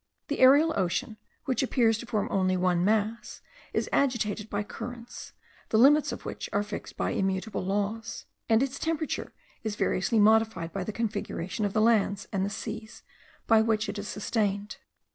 The aerial ocean, which appears to form only one mass, is agitated by currents, the limits of which are fixed by immutable laws; and its temperature is variously modified by the configuration of the lands and seas by which it is sustained.